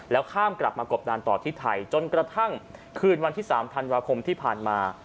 แล้วข้ามกลับมากบดานต่อที่ไทยจนกระทั่งคืนวันที่๓ธันวาคมที่ผ่านมา